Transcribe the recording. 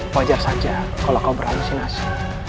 wajar saja kalau kau berhalusinasi